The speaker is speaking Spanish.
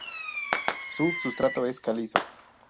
Su sustrato es calizo.